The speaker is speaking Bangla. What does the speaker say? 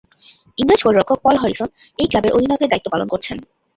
ইংরেজ গোলরক্ষক পল হ্যারিসন এই ক্লাবের অধিনায়কের দায়িত্ব পালন করছেন।